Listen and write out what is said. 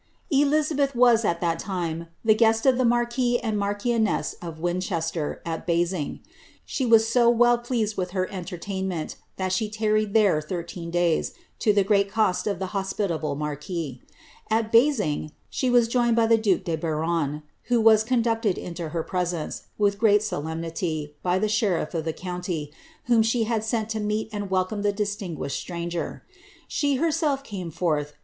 Elizabeth was, at that time, the guest of the marquis and marchioness of Winchester, at Basing; she was so well pleased with her entertain Bient, that she tarried there thirteen days, to the great cost of 'the hos pitable marquis.' At Basing, she was joined by the due de Biron, who was conducted in^o her presence, with grea^ solemnity, by the sheriA ' Sally's Memoirs * Nichols. QOS of lllP BLI1A.BBTU. , nlinm (lie had f«nl in mHt snd welcome the duiio t>Lii lii~il sii.'iii^'ir. ^he liemeir came funh.